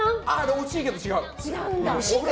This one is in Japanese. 惜しいけど違う！